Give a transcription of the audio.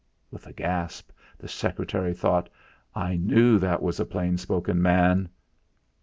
With a gasp the secretary thought: 'I knew that was a plain spoken man!'